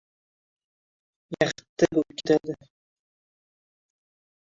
Yaxttti bo‘p ketadi!